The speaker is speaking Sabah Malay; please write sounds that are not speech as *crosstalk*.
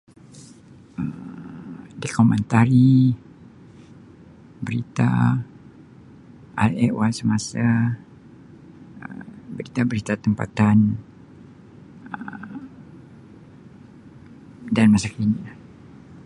Um Dekomentari, berita, al e'wal semasa Um berita-berita tempatan Um dan *unintelligible* lah.